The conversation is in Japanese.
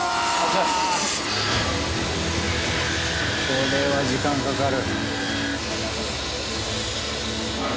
これは時間かかる。